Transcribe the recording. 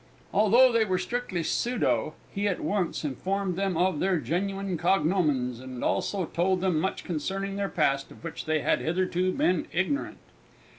Although they were strictly pseudo, he at once informed them of their genuine cognomens, and also told them much concerning their past of which they had hitherto been ignorant.